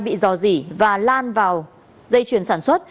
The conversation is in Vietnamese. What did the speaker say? bị dò dỉ và lan vào dây chuyền sản xuất